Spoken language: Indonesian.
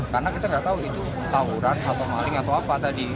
karena kita nggak tahu itu tawuran atau maling atau apa tadi